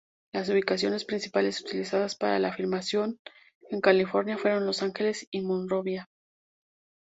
Las ubicaciones principales utilizadas para la filmación en California fueron Los Ángeles y Monrovia.